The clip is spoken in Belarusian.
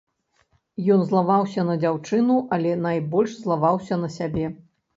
Ён злаваўся на дзяўчыну, але найбольш злаваўся на сябе.